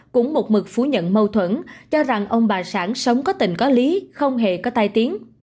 cũng một mực phủ nhận mâu thuẫn cho rằng ông bà sản sống có tình có lý không hề có tai tiếng